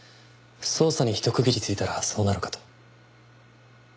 捜査にひと区切りついたらそうなるかと。